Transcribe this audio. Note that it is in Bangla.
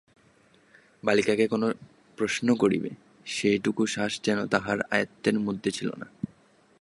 বালিকাকে কোনো প্রশ্ন করিবে, সেটুকু শ্বাসও যেন তাহার আয়ত্তের মধ্যে ছিল না।